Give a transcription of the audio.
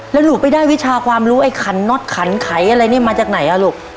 แล้วหนูไปได้วิชาความรู้ไอ้ขันน็อตขันไขอะไรนี่มาจากไหนอ่ะลูก